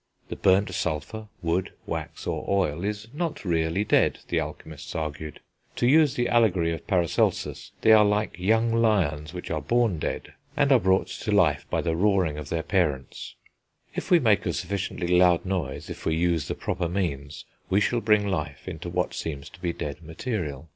The burnt sulphur, wood, wax, or oil, is not really dead, the alchemists argued; to use the allegory of Paracelsus, they are like young lions which are born dead, and are brought to life by the roaring of their parents: if we make a sufficiently loud noise, if we use the proper means, we shall bring life into what seems to be dead material.